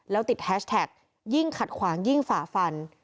แล้วติดแฮชแท็กยิ่งขัดขวางยิ่งฝ่าฟัน